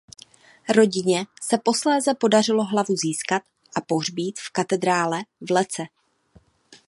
Rodině se posléze podařilo hlavu získat a pohřbít v katedrále v Lecce.